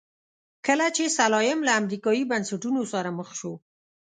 کله چې سلایم له امریکایي بنسټونو سره مخ شو.